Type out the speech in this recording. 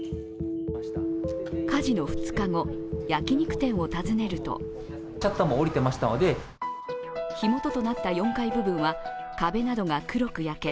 火事の２日後、焼き肉店を訪ねると火元となった４階部分は壁などが黒く焼け